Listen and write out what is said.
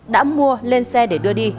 đã mua lên xe để đưa đi